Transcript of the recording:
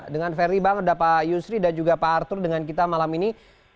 dengan ferry bang ada pak yusri dan juga pak arthur dengan kita malam ini